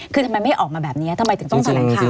คือทำไมไม่ออกมาแบบนี้ทำไมถึงต้องแถลงข่าว